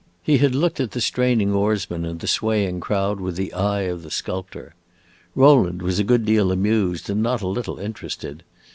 He had looked at the straining oarsmen and the swaying crowd with the eye of the sculptor. Rowland was a good deal amused and not a little interested.